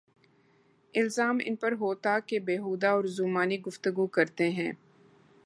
الزام ان پہ ہوتاہے کہ بیہودہ اورذومعنی گفتگو کرتے ہیں۔